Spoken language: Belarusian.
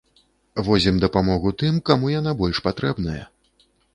Возім дапамогу тым, каму яна больш патрэбная.